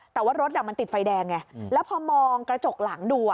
แต่ว่ารถมันติดไฟแดงไงแล้วพอมองกระจกหลังดู